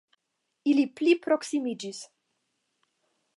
Ili pli proksimiĝis